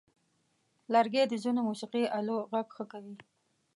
لرګی د ځینو موسیقي آلو غږ ښه کوي.